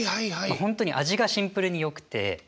本当に味がシンプルによくて。